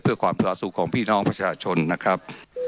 เพื่อความสละสุขของพี่น้องประชาชนนะครับ